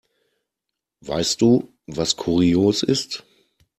Weißt du, was kurios ist?